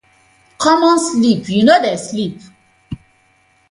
Common sleep yu no dey sleep.